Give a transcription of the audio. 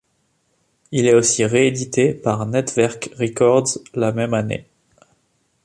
Il est aussi réédité par Nettwerk Records la même année.